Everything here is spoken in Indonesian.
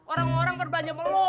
orang orang berbelanja sama lu